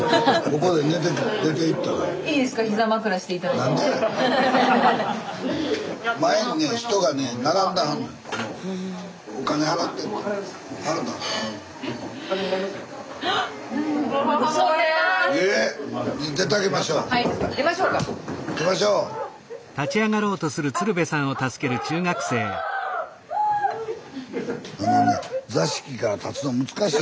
スタジオあのね座敷から立つの難しい。